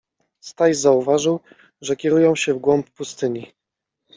Staś zauważył, że kierują się w głąb pustyni.